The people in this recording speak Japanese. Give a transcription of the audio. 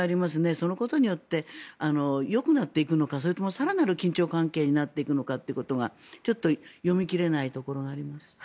そのことによってよくなっていくのかそれとも更なる緊張関係になっていくのかというところがちょっと読み切れないところがありますね。